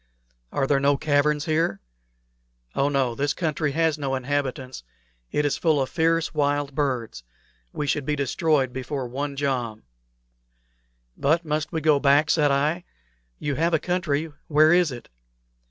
"Are there no caverns here?" "Oh no. This country has no inhabitants. It is full of fierce wild beasts. We should be destroyed before one jom." "But must we go back?" said I. "You have a country. Where is it?